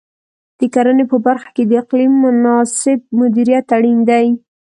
د کرنې په برخه کې د اقلیم مناسب مدیریت اړین دی.